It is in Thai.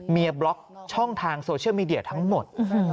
บล็อกช่องทางโซเชียลมีเดียทั้งหมด